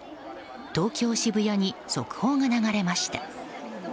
東京・渋谷に速報が流れました。